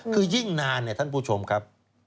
คือยิ่งนานท่านผู้ชมครับ